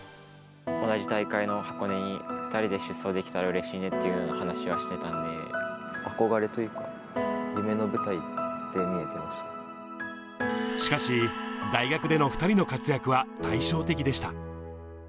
同じ大会の箱根に２人で出走できたらうれしいねって話はして憧れというか、夢の舞台ってしかし、大学での２人の活躍は対照的でした。